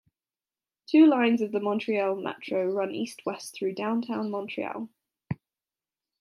Two lines of the Montreal Metro run east-west through Downtown Montreal.